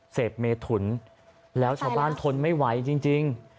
เสพเมถุนแล้วชาวบ้านทนไม่ไหวจริง